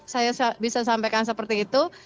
saya bisa sampaikan seperti itu